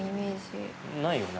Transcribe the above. ないよね？